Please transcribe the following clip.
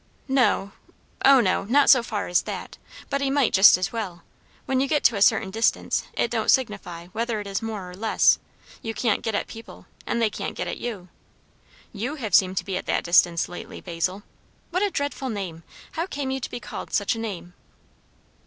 "No, O no, not so far as that; but he might just as well. When you get to a certain distance, it don't signify whether it is more or less; you can't get at people, and they can't get at you. You have seemed to be at that distance lately, Basil. What a dreadful name! How came you to be called such a name?"